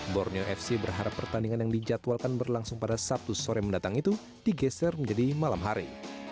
borneo fc berharap pertandingan yang dijadwalkan berlangsung pada sabtu sore mendatang itu digeser menjadi malam hari